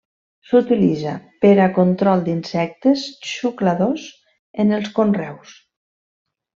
S'utilitza per al control d'insectes xucladors en els conreus.